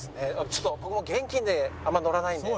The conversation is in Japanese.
ちょっと僕現金であんまり乗らないので。